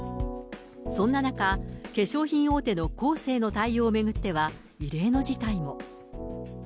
そんな中、化粧品大手のコーセーの対応を巡っては、異例の事態も。